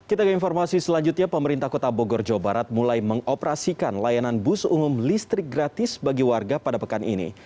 kita ke informasi selanjutnya pemerintah kota bogor jawa barat mulai mengoperasikan layanan bus umum listrik gratis bagi warga pada pekan ini